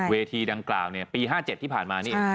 เวทีดังกล่าวปี๕๗ที่ผ่านมานี่